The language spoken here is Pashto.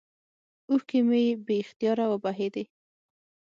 اوښكې مې بې اختياره وبهېدې.